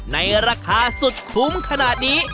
ในราคาสุดคุ้มขนาดนี้